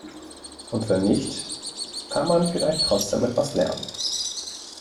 Und wenn nicht, kann man vielleicht trotzdem etwas lernen.